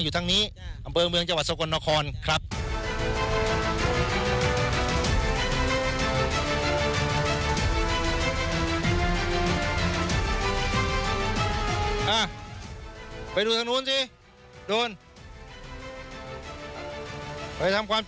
อยู่ในอำเภอเมืองจังหวัดสกลนครจะเห็นพื้นที่โดนน้ำท่วม